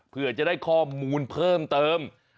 เพื่อจะได้ข้อมูลเพิ่มเติม